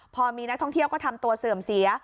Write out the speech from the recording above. พอมีนักท่องเที่ยวก็ทำตัวเสื่อมเสีย